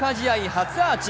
初アーチ。